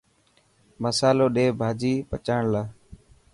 مصالو ڌي ڀاڄي پچائڻ لاءِ.